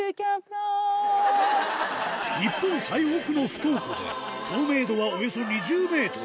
日本最北の不凍湖で、透明度はおよそ２０メートル。